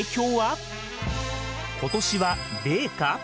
今年は冷夏？